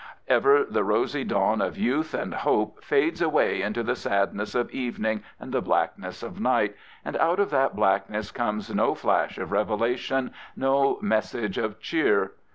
Ever the rosy Jdawn of youth and hope fades away into the sadness of evening and the blackness of night, and out of that blackness comes no flash of revelation, no message of cheer.